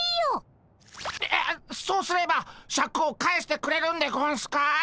えっそうすればシャクを返してくれるんでゴンスか？